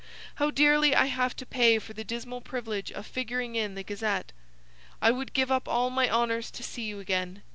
How dearly I have to pay for the dismal privilege of figuring in the Gazette. I would give up all my honours to see you again.